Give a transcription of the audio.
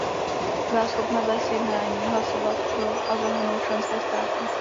Byla schopna vést jednání, hlasovat pro a zahrnout členské státy.